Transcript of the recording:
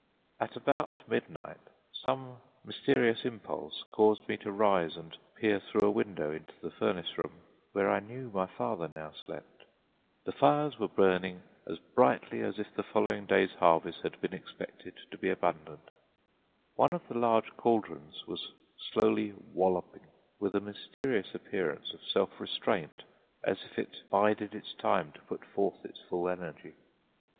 At about midnight some mysterious impulse caused me to rise and peer through a window into the furnace room, where I knew my father now slept. The fires were burning as brightly as if the following day's harvest had been expected to be abundant. One of the large cauldrons was slowly "walloping" with a mysterious appearance of self restraint, as if it bided its time to put forth its full energy.